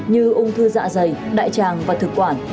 như ung thư dạ dày đại tràng và thực quản